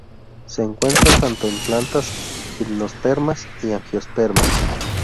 Se encuentra tanto en plantas gimnospermas y angiospermas.